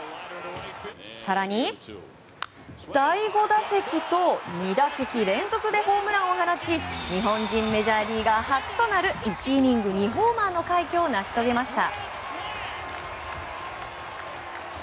更に第５打席と２打席連続でホームランを放ち日本人メジャーリーガー初となる１イニング２ホーマーの快挙を成し遂げました。